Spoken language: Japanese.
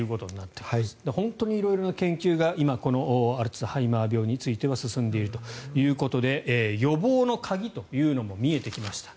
本当に色々な研究がアルツハイマー病については進んでいるということで予防の鍵というのも見えてきました。